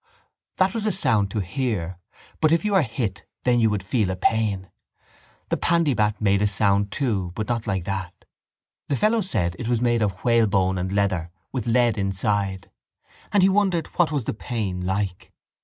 That was a sound to hear but if you were hit then you would feel a pain. The pandybat made a sound too but not like that. The fellows said it was made of whalebone and leather with lead inside: and he wondered what was the pain like.